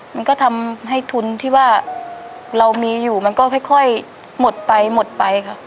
มันก็ทำให้ทุนที่ว่าเรามีอยู่มันก็ค่อยหมดไปหมดไปค่ะ